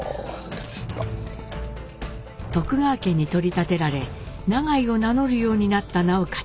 徳川家に取り立てられ永井を名乗るようになった直勝。